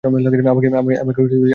আমাকে যেতেই হবে।